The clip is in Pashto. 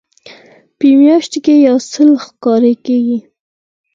په میاشت کې یو ځل ښکاره کیږي.